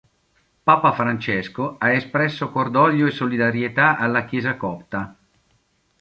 Papa Francesco ha espresso cordoglio e solidarietà alla Chiesa copta.